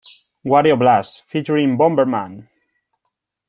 Wario Blast: Featuring Bomberman!